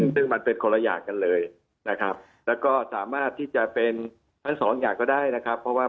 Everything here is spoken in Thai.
ซึ่งมันเป็นคนละอย่างกันเลยนะครับแล้วก็สามารถที่จะเป็นทั้งสองอย่างก็ได้นะครับเพราะว่า